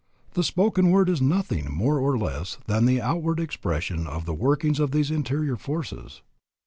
The spoken word is nothing more nor less than the outward expression of the workings of these interior forces.